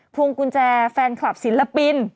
พวงกุญแจแฟนคลับศิลปิน